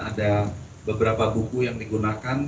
ada beberapa buku yang digunakan